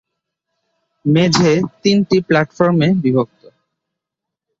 মেঝে তিনটি প্লাটফর্মে বিভক্ত।